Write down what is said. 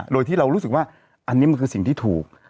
โดยที่เรารู้สึกว่าอันนี้มันคือสิ่งที่ถูก